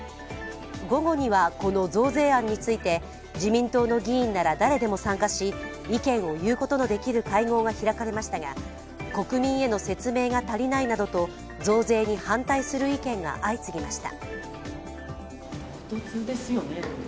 午後には、この増税案について自民党の議員なら誰でも参加し、意見を言うことができる会合が開かれましたが、国民への説明が足りないなどと増税に反対する意見が相次ぎました。